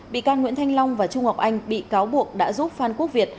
bị can nguyễn thanh long và trung ngọc anh bị cáo buộc đã giúp phan quốc việt